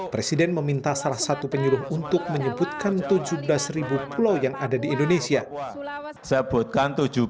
presiden meminta salah satu penyuruh untuk menyebutkan tujuh belas pulau yang ada di indonesia